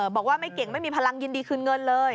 บอกว่าไม่เก่งไม่มีพลังยินดีคืนเงินเลย